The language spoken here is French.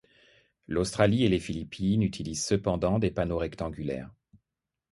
L'Australie et les Philippines utilisent cependant des panneaux rectangulaires.